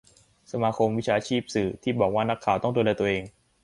สมาคมวิชาชีพสื่อ ที่บอกว่า นักข่าวต้องดูแลตัวเอง